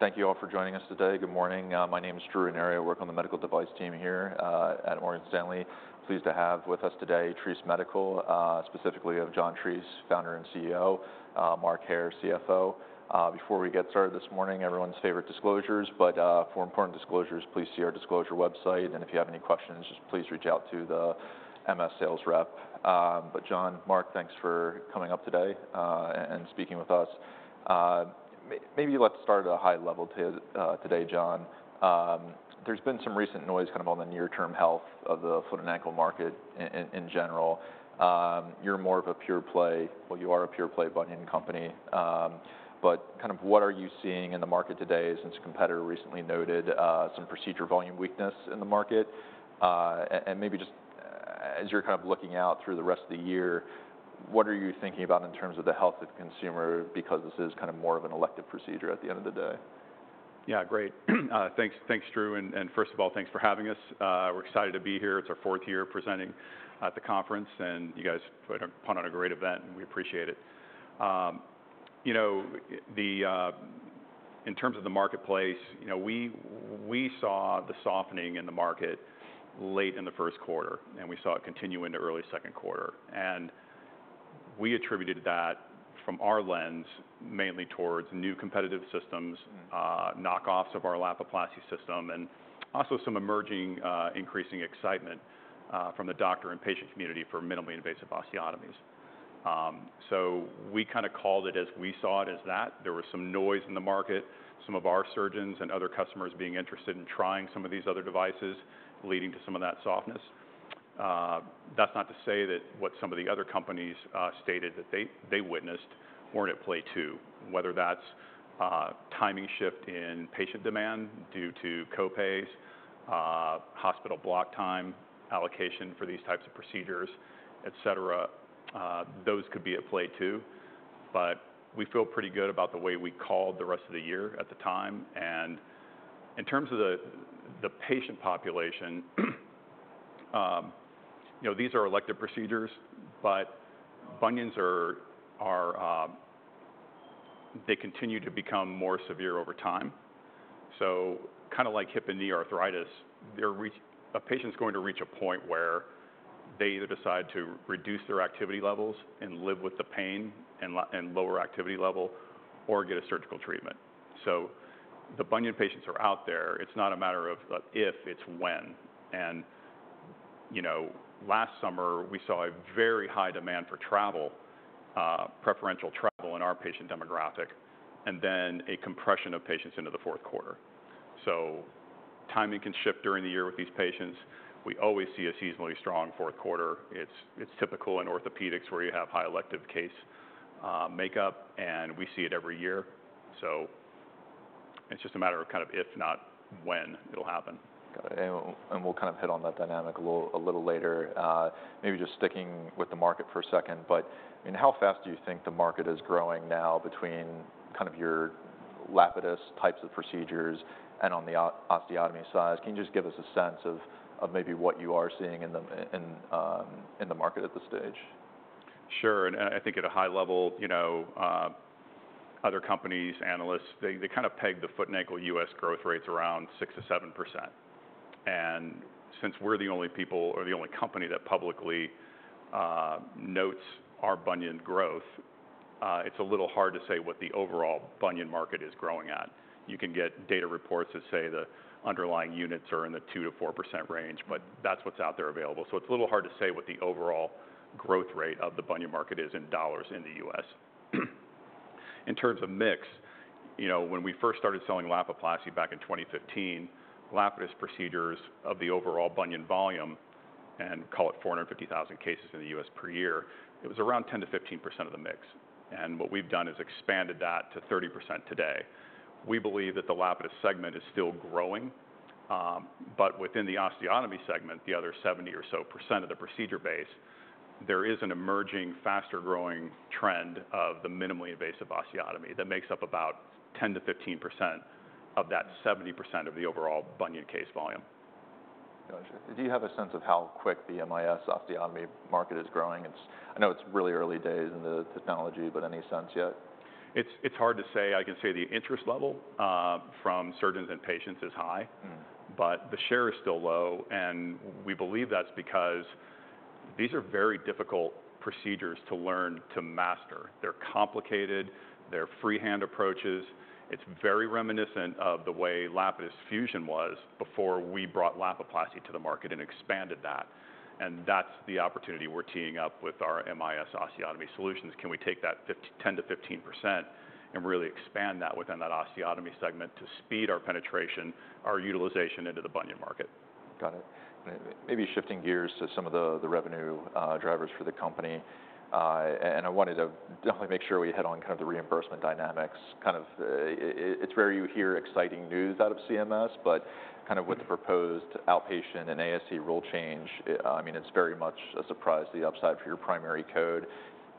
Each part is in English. Thank you all for joining us today. Good morning. My name is Drew Ranieri. I work on the medical device team here at Morgan Stanley. Pleased to have with us today, Treace Medical, specifically John Treace, founder and CEO, Mark Hair, CFO. Before we get started this morning, everyone's favorite disclosures, but for important disclosures, please see our disclosure website, and if you have any questions, just please reach out to the MS sales rep. But John, Mark, thanks for coming up today and speaking with us. Maybe let's start at a high level today, John. There's been some recent noise kind of on the near-term health of the foot and ankle market in general. You're more of a pure play, well, you are a pure play bunion company. But kind of what are you seeing in the market today, since a competitor recently noted some procedure volume weakness in the market? And maybe just as you're kind of looking out through the rest of the year, what are you thinking about in terms of the health of the consumer? Because this is kind of more of an elective procedure at the end of the day. Yeah, great. Thanks, Drew, and first of all, thanks for having us. We're excited to be here. It's our 4th year presenting at the conference, and you guys put on a great event, and we appreciate it. You know, in terms of the marketplace, you know, we saw the softening in the market late in the first quarter, and we saw it continue into early second quarter. And we attributed that, from our lens, mainly towards new competitive systems- Mm-hmm Knockoffs of our Lapiplasty System, and also some emerging, increasing excitement, from the doctor and patient community for minimally invasive osteotomies. So we kind of called it as we saw it as that. There was some noise in the market, some of our surgeons and other customers being interested in trying some of these other devices, leading to some of that softness. That's not to say that what some of the other companies stated that they witnessed weren't at play, too. Whether that's timing shift in patient demand due to co-pays, hospital block time, allocation for these types of procedures, et cetera, those could be at play, too. But we feel pretty good about the way we called the rest of the year at the time. In terms of the patient population, you know, these are elective procedures, but bunions are... They continue to become more severe over time. So kind of like hip and knee arthritis, a patient's going to reach a point where they either decide to reduce their activity levels and live with the pain and lower activity level or get a surgical treatment. So the bunion patients are out there. It's not a matter of if, it's when. And, you know, last summer, we saw a very high demand for travel, preferential travel in our patient demographic, and then a compression of patients into the fourth quarter. So timing can shift during the year with these patients. We always see a seasonally strong fourth quarter. It's typical in orthopedics, where you have high elective case makeup, and we see it every year. So it's just a matter of kind of if not when it'll happen. Got it. And we'll kind of hit on that dynamic a little later. Maybe just sticking with the market for a second, but I mean, how fast do you think the market is growing now between kind of your Lapidus types of procedures and on the osteotomy side? Can you just give us a sense of maybe what you are seeing in the market at this stage? Sure. And I think at a high level, you know, other companies, analysts, they kind of peg the foot and ankle US growth rates around 6%-7%. And since we're the only people or the only company that publicly notes our bunion growth, it's a little hard to say what the overall bunion market is growing at. You can get data reports that say the underlying units are in the 2%-4% range, but that's what's out there available. So it's a little hard to say what the overall growth rate of the bunion market is in dollars in the U.S.. In terms of mix, you know, when we first started selling Lapiplasty back in 2015, Lapidus procedures of the overall bunion volume, and call it 450,000 cases in the U.S. per year, it was around 10%-15% of the mix, and what we've done is expanded that to 30% today. We believe that the Lapidus segment is still growing, but within the osteotomy segment, the other 70% or so of the procedure base, there is an emerging, faster-growing trend of the minimally invasive osteotomy that makes up about 10%-15% of that 70% of the overall bunion case volume. Gotcha. Do you have a sense of how quick the MIS osteotomy market is growing? It's. I know it's really early days in the technology, but any sense yet? It's hard to say. I can say the interest level from surgeons and patients is high. Mm-hmm. But the share is still low, and we believe that's because these are very difficult procedures to learn to master. They're complicated. They're freehand approaches. It's very reminiscent of the way Lapidus fusion was before we brought Lapiplasty to the market and expanded that, and that's the opportunity we're teeing up with our MIS osteotomy solutions. Can we take that 10%-15% and really expand that within that osteotomy segment to speed our penetration, our utilization into the bunion market? Got it. Maybe shifting gears to some of the revenue drivers for the company. And I wanted to definitely make sure we hit on kind of the reimbursement dynamics. Kind of, it's rare you hear exciting news out of CMS, but kind of with the proposed outpatient and ASC rule change, I mean, it's very much a surprise, the upside for your primary code.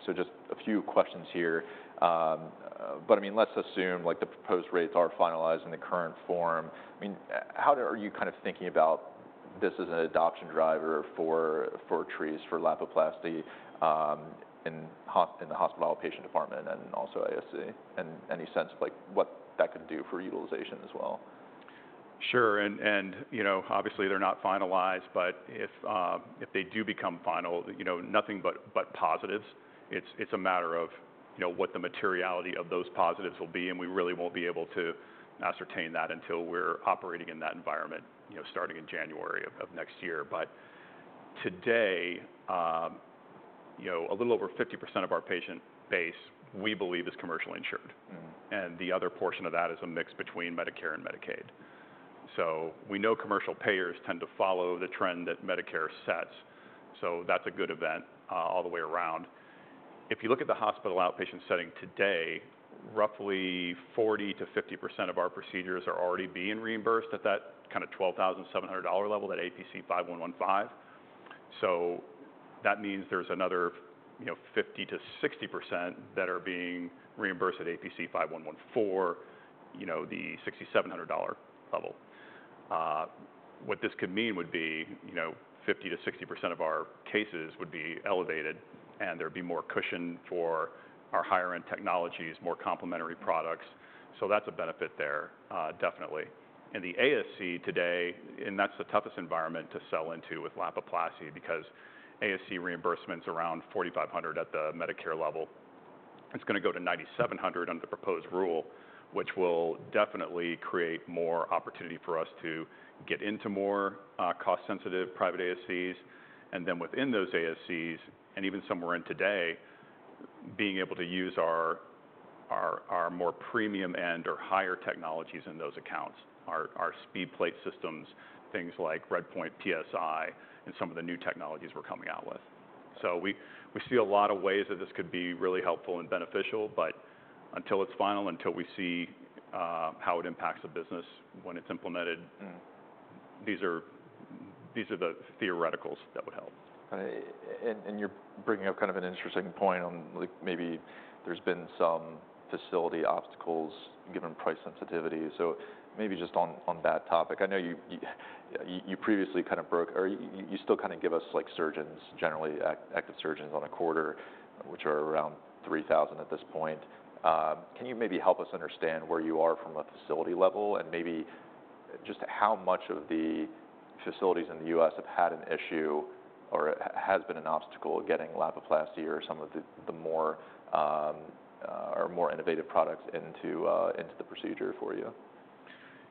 So just a few questions here. But, I mean, let's assume, like, the proposed rates are finalized in the current form. I mean, how are you kind of thinking about this is an adoption driver for, for Treace, for Lapiplasty, in hospital outpatient department and also ASC, and any sense of like what that could do for utilization as well? Sure. And you know, obviously they're not finalized, but if they do become final, you know, nothing but positives. It's a matter of, you know, what the materiality of those positives will be, and we really won't be able to ascertain that until we're operating in that environment, you know, starting in January of next year. But today, you know, a little over 50% of our patient base, we believe, is commercially insured. Mm-hmm. And the other portion of that is a mix between Medicare and Medicaid. So we know commercial payers tend to follow the trend that Medicare sets, so that's a good event, all the way around. If you look at the hospital outpatient setting today, roughly 40%-50% of our procedures are already being reimbursed at that kind of $12,700 level, that APC 5115. So that means there's another, you know, 50%-60% that are being reimbursed at APC 5114, you know, the $6,700 level. What this could mean would be, you know, 50%-60% of our cases would be elevated, and there'd be more cushion for our higher-end technologies, more complementary products. So that's a benefit there, definitely. In the ASC today, and that's the toughest environment to sell into with Lapiplasty, because ASC reimbursement's around $4,500 at the Medicare level. It's gonna go to $9,700 under the proposed rule, which will definitely create more opportunity for us to get into more cost-sensitive private ASCs. And then within those ASCs, and even some we're in today, being able to use our more premium end or higher technologies in those accounts, our SpeedPlate systems, things like RedPoint PSI and some of the new technologies we're coming out with. So we see a lot of ways that this could be really helpful and beneficial, but until it's final, until we see how it impacts the business when it's implemented- Mm-hmm These are, these are the theoreticals that would help. And you're bringing up kind of an interesting point on, like, maybe there's been some facility obstacles given price sensitivity. So maybe just on that topic, I know you still kind of give us, like, surgeons, generally active surgeons on a quarter, which are around 3,000 at this point. Can you maybe help us understand where you are from a facility level, and maybe just how much of the facilities in the U.S. have had an issue, or has been an obstacle getting Lapiplasty or some of the more innovative products into the procedure for you?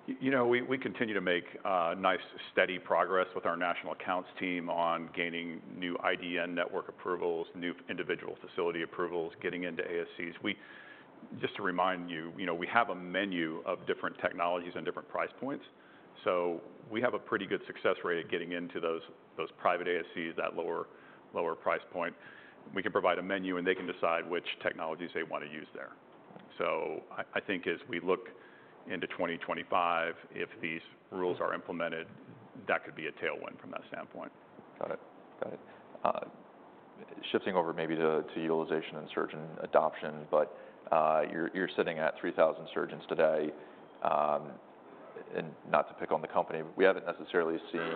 You know, we continue to make nice, steady progress with our national accounts team on gaining new IDN network approvals, new individual facility approvals, getting into ASCs. Just to remind you, you know, we have a menu of different technologies and different price points, so we have a pretty good success rate at getting into those private ASCs, that lower price point. We can provide a menu, and they can decide which technologies they want to use there. So I think as we look into 2025, if these rules are implemented, that could be a tailwind from that standpoint. Got it. Got it. Shifting over maybe to utilization and surgeon adoption, but you're sitting at three thousand surgeons today. And not to pick on the company, we haven't necessarily seen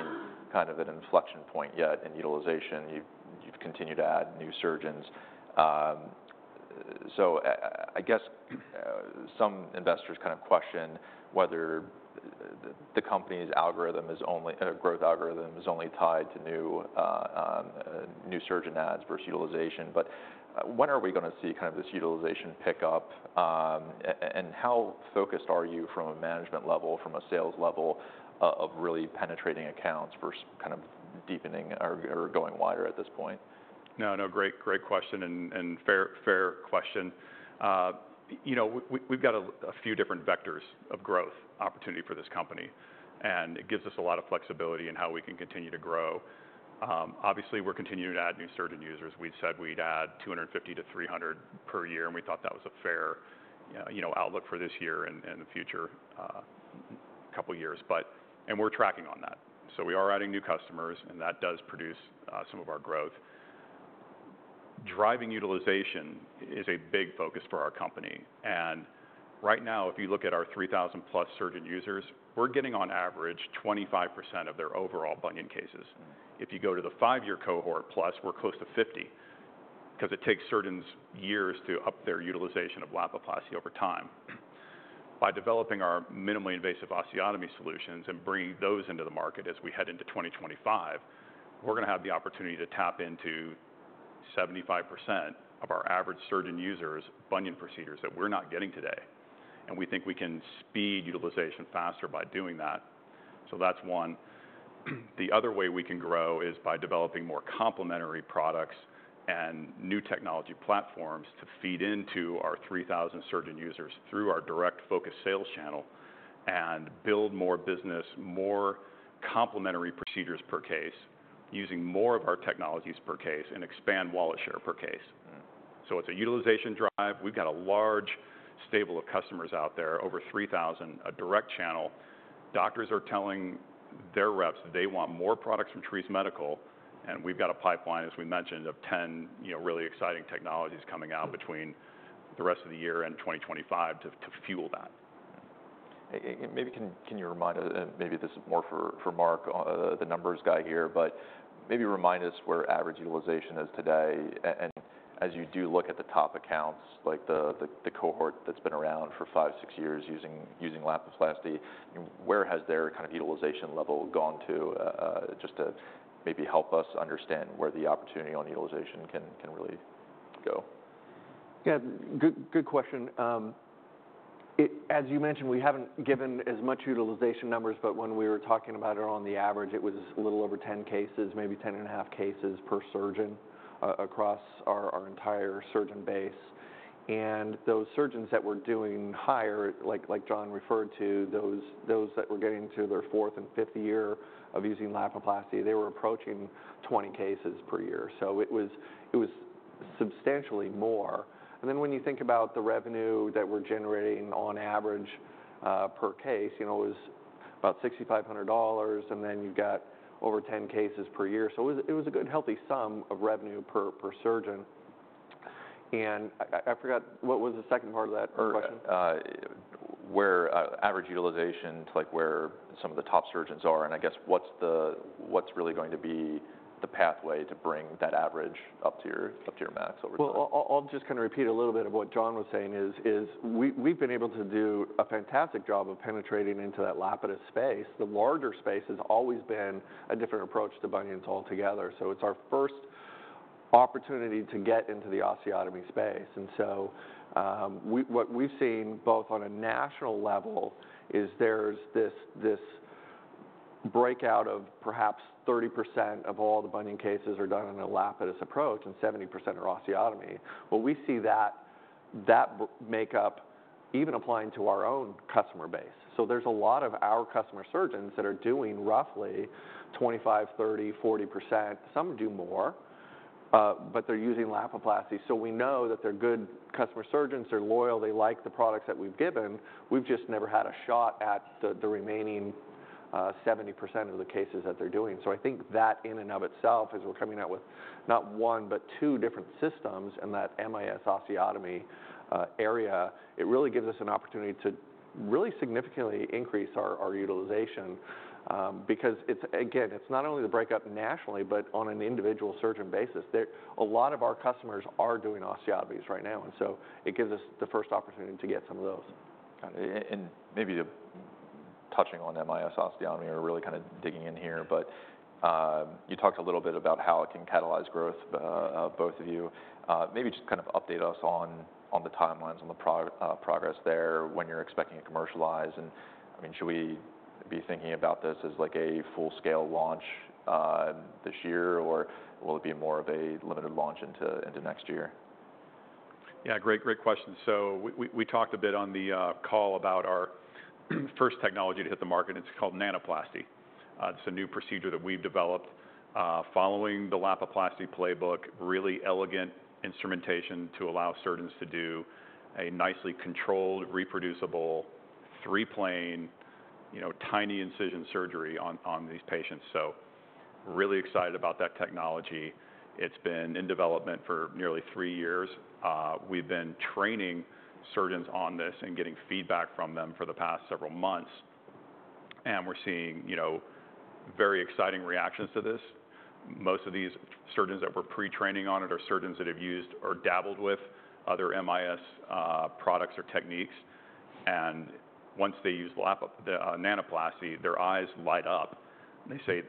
kind of an inflection point yet in utilization. You've continued to add new surgeons. So I guess some investors kind of question whether the company's growth algorithm is only tied to new surgeon adds versus utilization. But when are we gonna see kind of this utilization pick up? And how focused are you from a management level, from a sales level, of really penetrating accounts versus kind of deepening or going wider at this point? No, no, great, great question, and, and fair, fair question. You know, we've got a few different vectors of growth opportunity for this company, and it gives us a lot of flexibility in how we can continue to grow. Obviously, we're continuing to add new surgeon users. We've said we'd add two hundred and fifty to three hundred per year, and we thought that was a fair, you know, outlook for this year and the future couple years, but. And we're tracking on that. So we are adding new customers, and that does produce some of our growth. Driving utilization is a big focus for our company, and right now, if you look at our three thousand plus surgeon users, we're getting on average 25% of their overall bunion cases. If you go to the five-year cohort plus, we're close to 50, because it takes surgeons years to up their utilization of Lapiplasty over time. By developing our minimally invasive osteotomy solutions and bringing those into the market as we head into 2025, we're gonna have the opportunity to tap into 75% of our average surgeon users' bunion procedures that we're not getting today, and we think we can speed utilization faster by doing that. So that's one. The other way we can grow is by developing more complementary products and new technology platforms to feed into our 3,000 surgeon users through our direct focus sales channel, and build more business, more complementary procedures per case, using more of our technologies per case, and expand wallet share per case. Mm-hmm. So it's a utilization drive. We've got a large stable of customers out there, over 3,000, a direct channel. Doctors are telling their reps they want more products from Treace Medical, and we've got a pipeline, as we mentioned, of 10, you know, really exciting technologies coming out between the rest of the year and 2025 to fuel that. Maybe you remind us, and maybe this is more for Mark, the numbers guy here, but maybe remind us where average utilization is today, and as you do look at the top accounts, like the cohort that's been around for five, six years using Lapiplasty, where has their kind of utilization level gone to? Just to maybe help us understand where the opportunity on utilization can really go. Yeah, good, good question. It, as you mentioned, we haven't given as much utilization numbers, but when we were talking about it on the average, it was a little over 10 cases, maybe 10 and a half cases per surgeon across our entire surgeon base. And those surgeons that were doing higher, like John referred to, those that were getting to their 4th and 5th year of using Lapiplasty, they were approaching 20 cases per year. So it was, it was substantially more. And then when you think about the revenue that we're generating on average, per case, you know, it was about $6,500, and then you've got over 10 cases per year. So it was, it was a good healthy sum of revenue per surgeon. And I forgot, what was the second part of that question? Where average utilization to, like, where some of the top surgeons are, and I guess, what's really going to be the pathway to bring that average up to your, up to your max over time? I'll just kind of repeat a little bit of what John was saying is we've been able to do a fantastic job of penetrating into that Lapidus space. The larger space has always been a different approach to bunions altogether. It's our first opportunity to get into the osteotomy space. What we've seen, both on a national level, is there's this breakout of perhaps 30% of all the bunion cases are done in a Lapidus approach, and 70% are osteotomy. We see that makeup even applying to our own customer base. There's a lot of our customer surgeons that are doing roughly 25%, 30%, 40%, some do more, but they're using Lapiplasty. We know that they're good customer surgeons, they're loyal, they like the products that we've given. We've just never had a shot at the remaining 70% of the cases that they're doing. So I think that in and of itself, as we're coming out with not one, but two different systems in that MIS osteotomy area, it really gives us an opportunity to really significantly increase our utilization. Because it's, again, it's not only the breakup nationally, but on an individual surgeon basis. A lot of our customers are doing osteotomies right now, and so it gives us the first opportunity to get some of those. Got it. And maybe touching on MIS osteotomy or really kind of digging in here, but you talked a little bit about how it can catalyze growth, both of you. Maybe just kind of update us on the timelines, on the progress there, when you're expecting to commercialize. And, I mean, should we be thinking about this as, like, a full-scale launch this year, or will it be more of a limited launch into next year? Yeah, great, great question. So we talked a bit on the call about our first technology to hit the market. It's called Nanoplasty. It's a new procedure that we've developed, following the Lapiplasty playbook, really elegant instrumentation to allow surgeons to do a nicely controlled, reproducible, three-plane, you know, tiny incision surgery on these patients. So really excited about that technology. It's been in development for nearly three years. We've been training surgeons on this and getting feedback from them for the past several months, and we're seeing, you know, very exciting reactions to this. Most of these surgeons that were pre-training on it are surgeons that have used or dabbled with other MIS products or techniques. And once they use Nanoplasty, their eyes light up, and they say,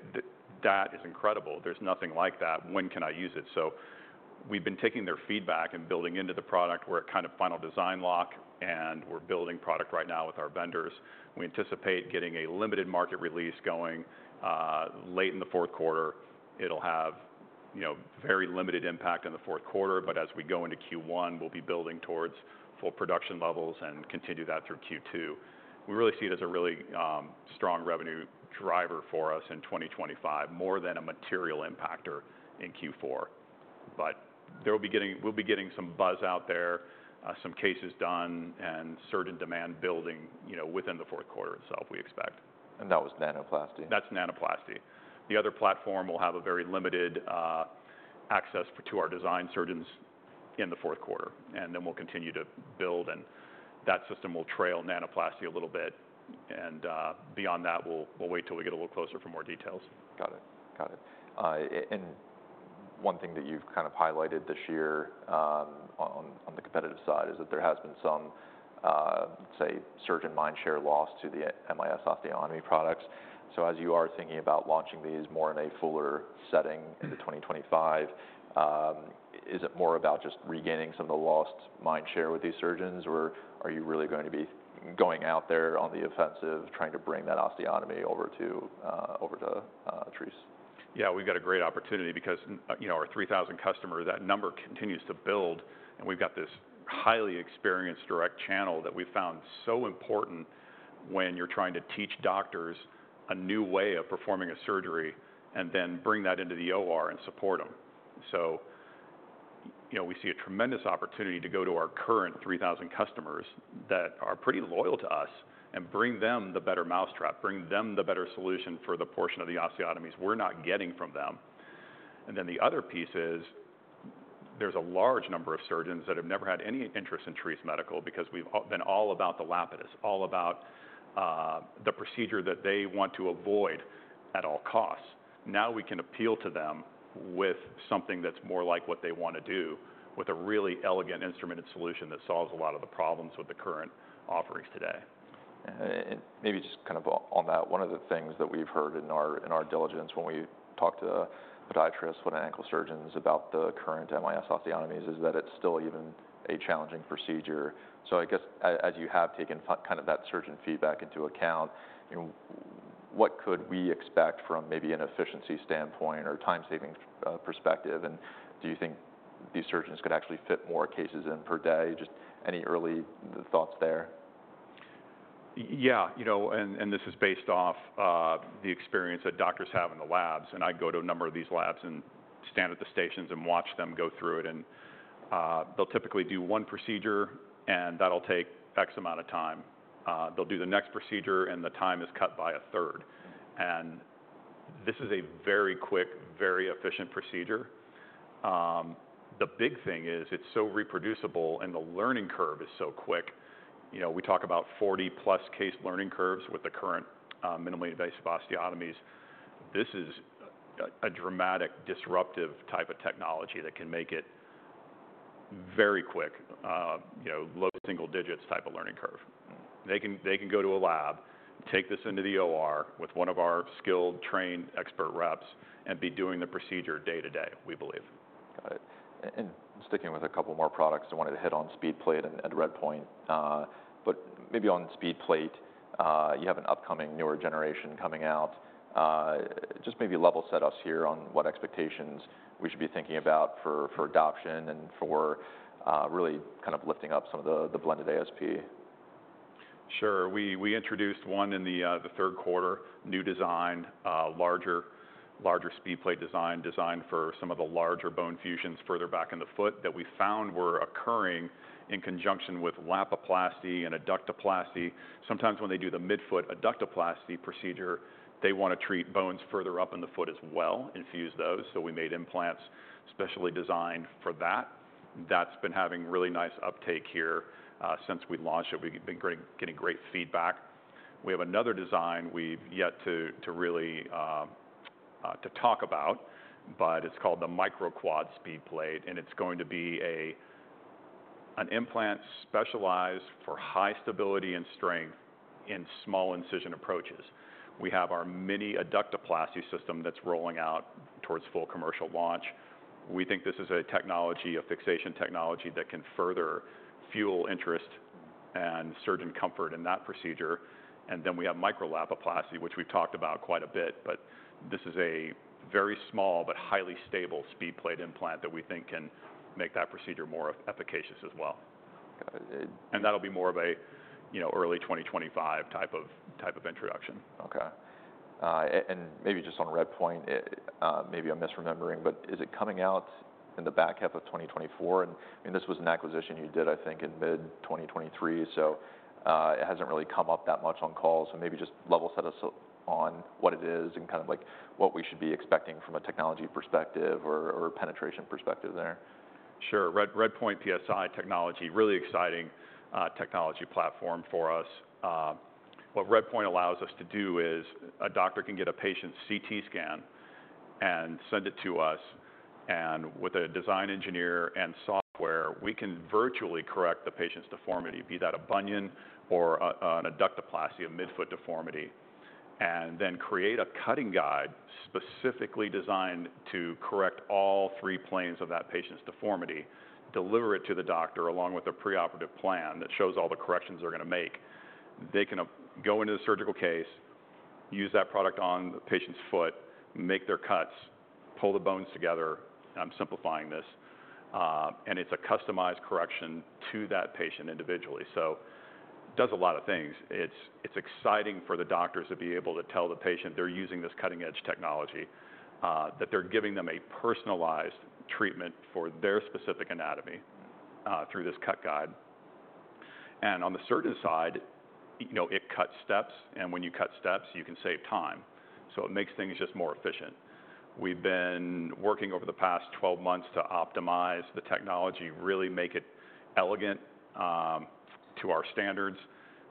"That is incredible. There's nothing like that. When can I use it?" So we've been taking their feedback and building into the product. We're at kind of final design lock, and we're building product right now with our vendors. We anticipate getting a limited market release going late in the fourth quarter. It'll have, you know, very limited impact in the fourth quarter, but as we go into Q1, we'll be building towards full production levels and continue that through Q2. We really see it as a really strong revenue driver for us in 2025, more than a material impacter in Q4. But we'll be getting some buzz out there, some cases done and certain demand building, you know, within the fourth quarter itself, we expect. That was Nanoplasty? That's Nanoplasty. The other platform will have a very limited access to our design surgeons in the fourth quarter, and then we'll continue to build, and that system will trail Nanoplasty a little bit, and beyond that, we'll wait till we get a little closer for more details. Got it. Got it. And one thing that you've kind of highlighted this year, on the competitive side, is that there has been some say, surgeon mindshare loss to the MIS osteotomy products. So as you are thinking about launching these more in a fuller setting into 2025, is it more about just regaining some of the lost mindshare with these surgeons, or are you really going to be going out there on the offensive, trying to bring that osteotomy over to Treace? Yeah, we've got a great opportunity because, you know, our 3,000 customers, that number continues to build, and we've got this highly experienced direct channel that we've found so important when you're trying to teach doctors a new way of performing a surgery and then bring that into the OR and support them. So, you know, we see a tremendous opportunity to go to our current 3,000 customers that are pretty loyal to us and bring them the better mousetrap, bring them the better solution for the portion of the osteotomies we're not getting from them. And then the other piece is, there's a large number of surgeons that have never had any interest in Treace Medical because we've all been all about the Lapidus, all about the procedure that they want to avoid at all costs. Now, we can appeal to them with something that's more like what they want to do, with a really elegant instrumented solution that solves a lot of the problems with the current offerings today. And maybe just kind of on that, one of the things that we've heard in our diligence when we talk to podiatrists, foot and ankle surgeons, about the current MIS osteotomies, is that it's still even a challenging procedure. So I guess as you have taken kind of that surgeon feedback into account, you know, what could we expect from maybe an efficiency standpoint or time-saving perspective? And do you think these surgeons could actually fit more cases in per day? Just any early thoughts there? Yeah, you know, and this is based off the experience that doctors have in the labs. I go to a number of these labs and stand at the stations and watch them go through it, and they'll typically do one procedure, and that'll take X amount of time. They'll do the next procedure, and the time is cut by a 3rd. This is a very quick, very efficient procedure. The big thing is, it's so reproducible, and the learning curve is so quick. You know, we talk about 40+ case learning curves with the current minimally invasive osteotomies. This is a dramatic, disruptive type of technology that can make it very quick, you know, low single digits type of learning curve. They can, they can go to a lab, take this into the OR with one of our skilled, trained, expert reps and be doing the procedure day-to-day, we believe. Got it. And sticking with a couple more products, I wanted to hit on SpeedPlate and RedPoint. But maybe on SpeedPlate, you have an upcoming newer generation coming out. Just maybe level set us here on what expectations we should be thinking about for adoption and for really kind of lifting up some of the blended ASP. Sure. We introduced one in the third quarter, new design, larger SpeedPlate design. Designed for some of the larger bone fusions further back in the foot that we found were occurring in conjunction with Lapiplasty and Adductoplasty. Sometimes when they do the midfoot Adductoplasty procedure, they want to treat bones further up in the foot as well, fuse those, so we made implants specially designed for that. That's been having really nice uptake here. Since we launched it, we've been getting great feedback. We have another design we've yet to talk about, but it's called the MicroQuad SpeedPlate, and it's going to be an implant specialized for high stability and strength in small incision approaches. We have our mini Adductoplasty system that's rolling out towards full commercial launch. We think this is a technology, a fixation technology, that can further fuel interest and surgeon comfort in that procedure. And then we have Micro-Lapiplasty, which we've talked about quite a bit, but this is a very small but highly stable SpeedPlate implant that we think can make that procedure more efficacious as well. Got it. That'll be more of a, you know, early 2025 type of introduction. Okay. And maybe just on RedPoint, maybe I'm misremembering, but is it coming out in the back half of 2024? And this was an acquisition you did, I think, in mid-2023, so it hasn't really come up that much on calls. So maybe just level set us on what it is and kind of like what we should be expecting from a technology perspective or penetration perspective there. Sure. RedPoint PSI technology, really exciting technology platform for us. What RedPoint allows us to do is, a doctor can get a patient's CT scan and send it to us, and with a design engineer and software, we can virtually correct the patient's deformity, be that a bunion or an Adductoplasty, a midfoot deformity. And then create a cutting guide, specifically designed to correct all three planes of that patient's deformity, deliver it to the doctor, along with a preoperative plan that shows all the corrections they're going to make. They can go into the surgical case, use that product on the patient's foot, make their cuts, pull the bones together, I'm simplifying this, and it's a customized correction to that patient individually, so does a lot of things. It's exciting for the doctors to be able to tell the patient they're using this cutting-edge technology that they're giving them a personalized treatment for their specific anatomy through this cut guide. And on the surgeon side, you know, it cuts steps, and when you cut steps, you can save time. So it makes things just more efficient. We've been working over the past twelve months to optimize the technology, really make it elegant to our standards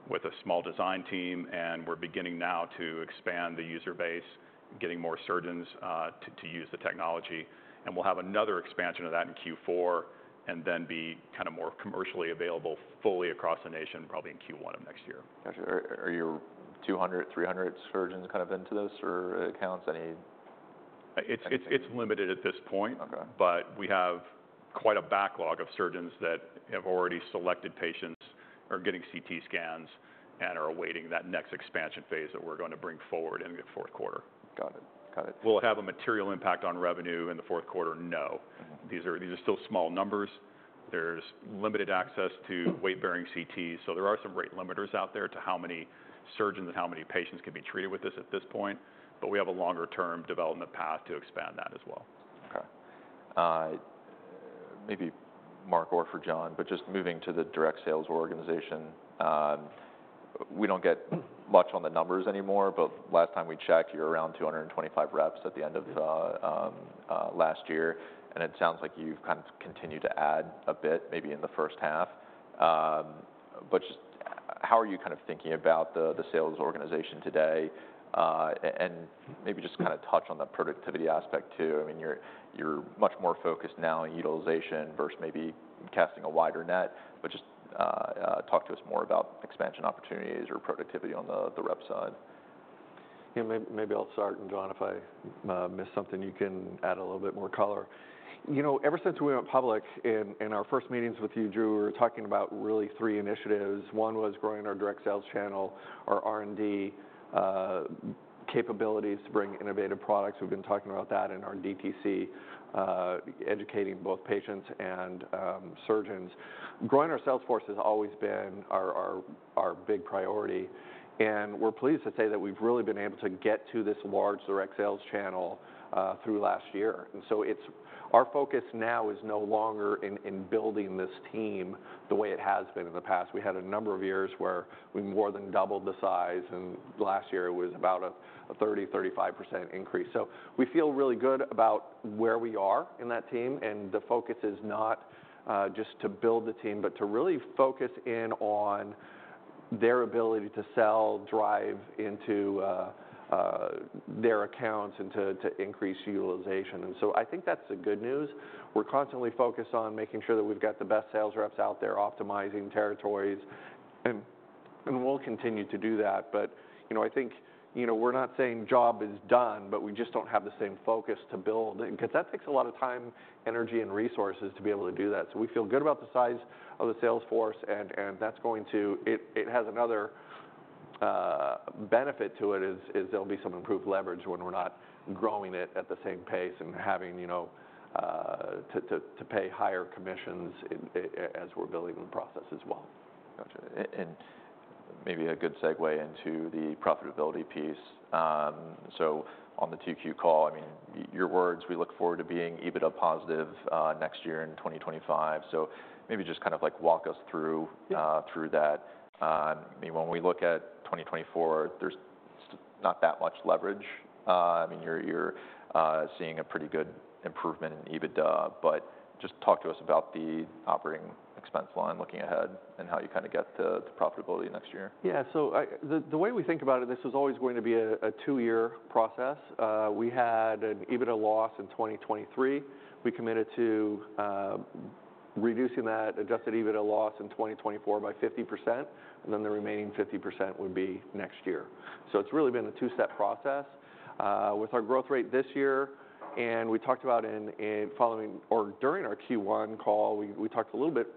with a small design team, and we're beginning now to expand the user base, getting more surgeons to use the technology. And we'll have another expansion of that in Q4, and then be kind of more commercially available fully across the nation, probably in Q1 of next year. Got you. Are your 200-300 surgeons kind of into this, or accounts? Any- It's limited at this point. Okay. But we have quite a backlog of surgeons that have already selected patients, are getting CT scans, and are awaiting that next expansion phase that we're going to bring forward in the fourth quarter. Got it. Got it. Will it have a material impact on revenue in the fourth quarter? No. Mm-hmm. These are, these are still small numbers. There's limited access to weight-bearing CT, so there are some rate limiters out there to how many surgeons and how many patients can be treated with this at this point, but we have a longer-term development path to expand that as well. Okay. Maybe Mark or John, but just moving to the direct sales organization. We don't get much on the numbers anymore, but last time we checked, you were around 225 reps at the end of last year, and it sounds like you've kind of continued to add a bit, maybe in the first half. But just how are you kind of thinking about the sales organization today, and maybe just kind of touch on the productivity aspect, too. I mean, you're much more focused now on utilization versus maybe casting a wider net, but just talk to us more about expansion opportunities or productivity on the rep side. Yeah, maybe I'll start, and John, if I miss something, you can add a little bit more color. You know, ever since we went public, in our first meetings with you, Drew, we were talking about really three initiatives. One was growing our direct sales channel, our R&D capabilities to bring innovative products. We've been talking about that in our DTC educating both patients and surgeons. Growing our sales force has always been our big priority, and we're pleased to say that we've really been able to get to this large direct sales channel through last year. And so it's our focus now is no longer in building this team the way it has been in the past. We had a number of years where we more than doubled the size, and last year it was about a 30%-35% increase, so we feel really good about where we are in that team, and the focus is not just to build the team, but to really focus in on their ability to sell, drive into their accounts, and to increase utilization, and so I think that's the good news. We're constantly focused on making sure that we've got the best sales reps out there, optimizing territories, and we'll continue to do that, but you know, I think, you know, we're not saying job is done, but we just don't have the same focus to build. Because that takes a lot of time, energy, and resources to be able to do that. So we feel good about the size of the sales force, and that's going to. It has another benefit to it, is there'll be some improved leverage when we're not growing it at the same pace and having, you know, to pay higher commissions as we're building the process as well. Gotcha. And maybe a good segue into the profitability piece. So on the Q2 call, I mean, your words, "We look forward to being EBITDA positive next year in 2025." So maybe just kind of, like, walk us through- Yeah .Through that. I mean, when we look at 2024, there's not that much leverage. I mean, you're seeing a pretty good improvement in EBITDA, but just talk to us about the operating expense line, looking ahead, and how you kind of get to profitability next year. Yeah. So the way we think about it, this was always going to be a two-year process. We had an EBITDA loss in 2023. We committed to reducing that Adjusted EBITDA loss in 2024 by 50%, and then the remaining 50% would be next year. So it's really been a two-step process. With our growth rate this year, and we talked about in following or during our Q1 call, we talked a little bit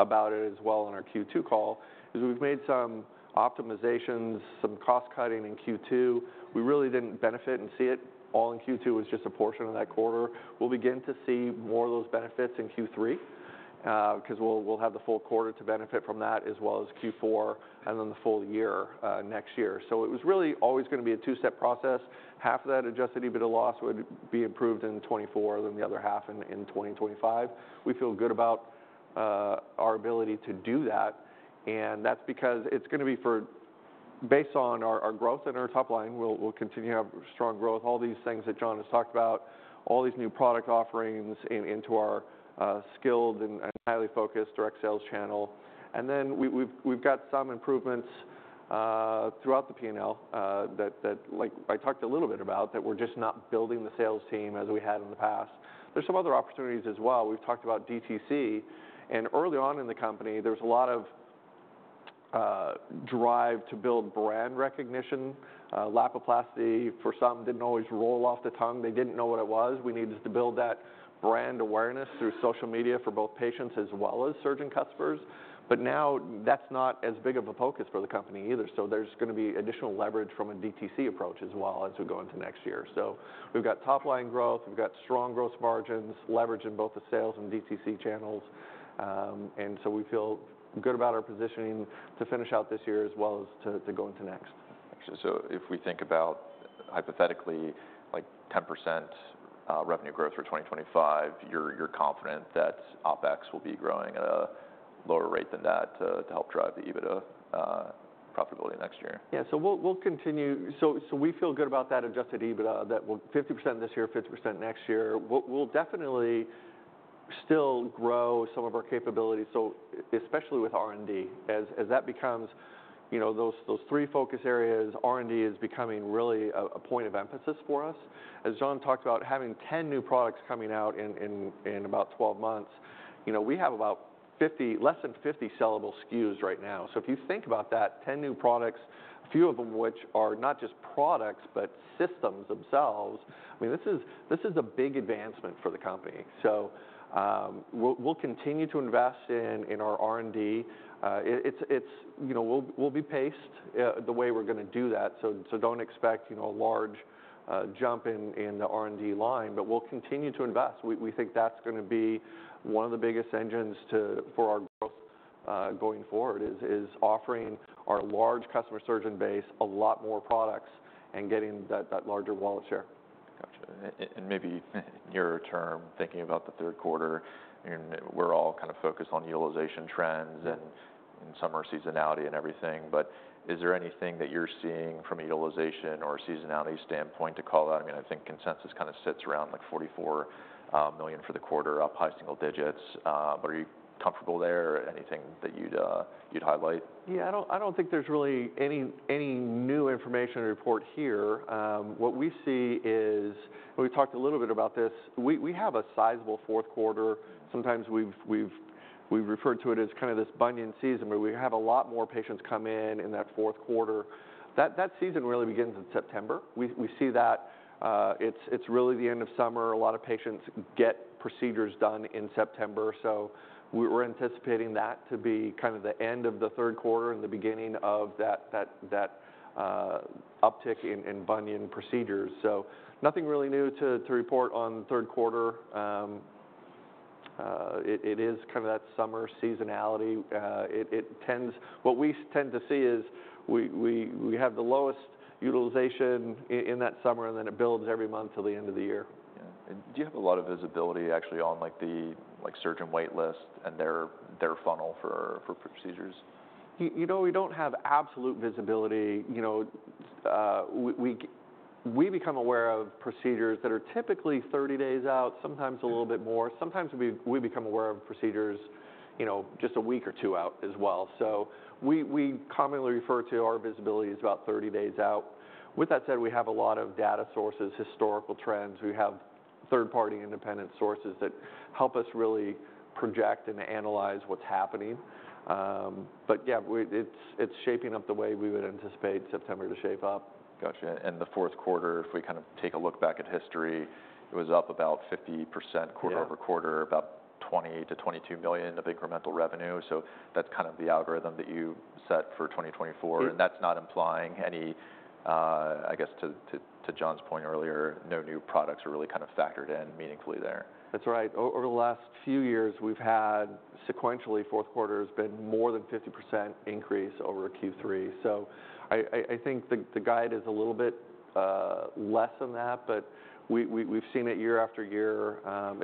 about it as well in our Q2 call, is we've made some optimizations, some cost cutting in Q2. We really didn't benefit and see it all in Q2, it was just a portion of that quarter. We'll begin to see more of those benefits in Q3, because we'll have the full quarter to benefit from that, as well as Q4 and then the full year next year. So it was really always gonna be a two-step process. Half of that Adjusted EBITDA loss would be improved in 2024, then the other half in 2025. We feel good about our ability to do that, and that's because it's gonna be based on our growth and our top line. We'll continue to have strong growth. All these things that John has talked about, all these new product offerings into our skilled and highly focused direct sales channel. Then we've got some improvements throughout the P&L that, like, I talked a little bit about, that we're just not building the sales team as we had in the past. There's some other opportunities as well. We've talked about DTC, and early on in the company, there was a lot of drive to build brand recognition. Lapiplasty, for some, didn't always roll off the tongue. They didn't know what it was. We needed to build that brand awareness through social media for both patients as well as surgeon customers. But now that's not as big of a focus for the company either, so there's gonna be additional leverage from a DTC approach as well as we go into next year. So we've got top line growth, we've got strong growth margins, leverage in both the sales and DTC channels, and so we feel good about our positioning to finish out this year, as well as to go into next. If we think about hypothetically, like, 10% revenue growth for 2025, you're confident that OpEx will be growing at a lower rate than that to help drive the EBITDA profitability next year? Yeah, so we'll continue. So we feel good about that Adjusted EBITDA, that we'll 50% this year, 50% next year. We'll definitely still grow some of our capabilities, so especially with R&D, as that becomes, you know, those three focus areas. R&D is becoming really a point of emphasis for us. As John talked about, having 10 new products coming out in about 12 months, you know, we have about less than 50 sellable SKUs right now. So if you think about that, 10 new products, a few of them which are not just products, but systems themselves, I mean, this is a big advancement for the company. So we'll continue to invest in our R&D. It's, you know, we'll be paced the way we're gonna do that, so don't expect, you know, a large jump in the R&D line, but we'll continue to invest. We think that's gonna be one of the biggest engines for our growth going forward, is offering our large customer surgeon base a lot more products and getting that larger wallet share. Gotcha. And maybe nearer term, thinking about the third quarter, and we're all kind of focused on utilization trends and summer seasonality and everything, but is there anything that you're seeing from a utilization or seasonality standpoint to call out? I mean, I think consensus kind of sits around, like, $44 million for the quarter, up high single digits. But are you comfortable there? Anything that you'd highlight? Yeah, I don't think there's really any new information to report here. What we see is, and we talked a little bit about this, we have a sizable fourth quarter. Sometimes we've referred to it as kind of this bunion season, where we have a lot more patients come in in that fourth quarter. That season really begins in September. We see that it's really the end of summer. A lot of patients get procedures done in September, so we're anticipating that to be kind of the end of the third quarter and the beginning of that uptick in bunion procedures. So nothing really new to report on the third quarter. It is kind of that summer seasonality. It tends. What we tend to see is we have the lowest utilization in that summer, and then it builds every month till the end of the year. Yeah. And do you have a lot of visibility actually on, like, the surgeon wait list and their funnel for procedures? You know, we don't have absolute visibility. You know, we become aware of procedures that are typically thirty days out, sometimes a little bit more. Sometimes we become aware of procedures, you know, just a week or two out as well. So we commonly refer to our visibility as about thirty days out. With that said, we have a lot of data sources, historical trends. We have third-party independent sources that help us really project and analyze what's happening. But yeah, it's shaping up the way we would anticipate September to shape up. Gotcha. And the fourth quarter, if we kind of take a look back at history, it was up about 50%. Yeah... quarter over quarter, about $20 million-$22 million of incremental revenue. So that's kind of the algorithm that you set for 2024. Yes And that's not implying any, I guess to John's point earlier, no new products are really kind of factored in meaningfully there. That's right. Over the last few years, we've had sequentially, fourth quarter has been more than 50% increase over Q3. So I think the guide is a little bit less than that, but we've seen it year after year.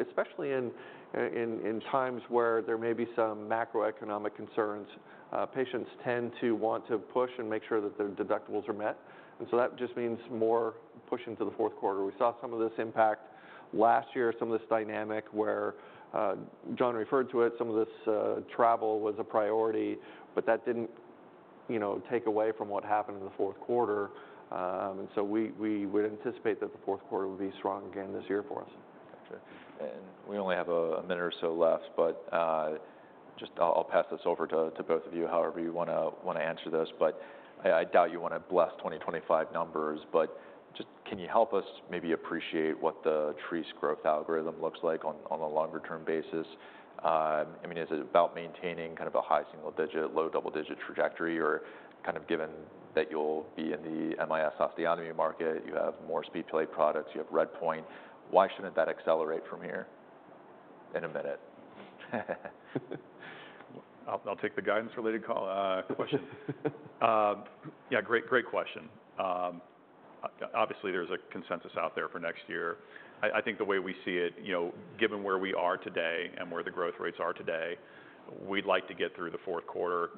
Especially in times where there may be some macroeconomic concerns, patients tend to want to push and make sure that their deductibles are met, and so that just means more push into the fourth quarter. We saw some of this impact last year, some of this dynamic where John referred to it, some of this travel was a priority, but that didn't, you know, take away from what happened in the fourth quarter. And so we would anticipate that the fourth quarter would be strong again this year for us. Gotcha. And we only have a minute or so left, but just I'll pass this over to both of you, however you wanna answer this, but I doubt you wanna bless 2025 numbers. But just can you help us maybe appreciate what the Treace's growth algorithm looks like on a longer term basis? I mean, is it about maintaining kind of a high single digit, low double digit trajectory? Or kind of given that you'll be in the MIS osteotomy market, you have more SpeedPlate products, you have RedPoint, why shouldn't that accelerate from here? In a minute. I'll take the guidance related call, question. Yeah, great, great question. Obviously, there's a consensus out there for next year. I think the way we see it, you know, given where we are today and where the growth rates are today, we'd like to get through the fourth quarter,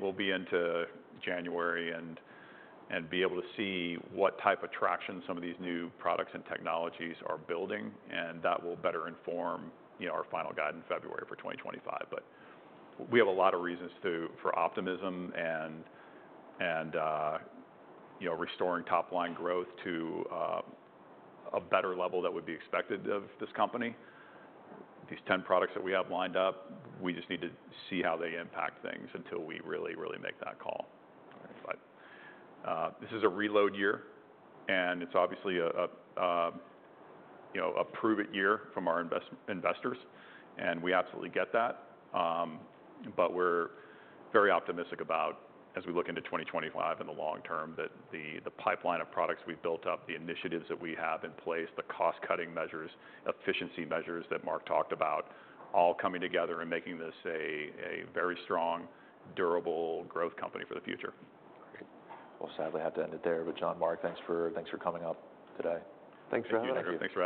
we'll be into January and be able to see what type of traction some of these new products and technologies are building, and that will better inform, you know, our final guide in February for 2025. But we have a lot of reasons for optimism and you know, restoring top line growth to a better level that would be expected of this company. These ten products that we have lined up, we just need to see how they impact things until we really, really make that call. All right. But this is a reload year, and it's obviously a you know a prove it year from our investors, and we absolutely get that. But we're very optimistic about as we look into 2025 and the long term, that the pipeline of products we've built up, the initiatives that we have in place, the cost-cutting measures, efficiency measures that Mark talked about, all coming together and making this a very strong, durable growth company for the future. Great. Well, sadly, I have to end it there. But John, Mark, thanks for coming out today. Thanks for having us. Thank you. Thank you.